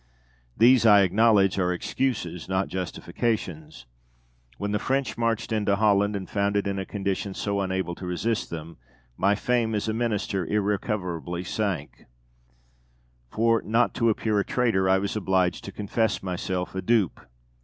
These, I acknowledge, are excuses, not justifications. When the French marched into Holland and found it in a condition so unable to resist them, my fame as a Minister irrecoverably sank; for, not to appear a traitor, I was obliged to confess myself a dupe.